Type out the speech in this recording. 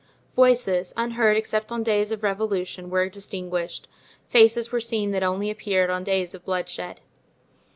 Voices, unheard except on days of revolution, were distinguished; faces were seen that only appeared on days of bloodshed.